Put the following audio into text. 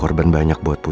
lo bakal jawab apa